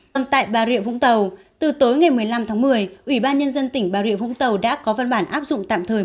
còn tại bà rịa vũng tàu từ tối ngày một mươi năm tháng một mươi ủy ban nhân dân tỉnh bà rịa vũng tàu đã có văn bản áp dụng tạm thời